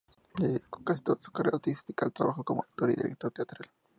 Dedicó casi toda su carrera artística al trabajo como actor y director teatral.